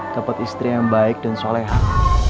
dapat istri yang baik dan solehan